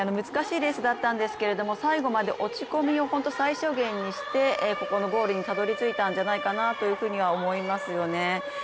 難しいレースだったんですけれども最後まで落ち込みを最小限にしてここのゴールにたどりついたんじゃないかなというふうには思いますよね。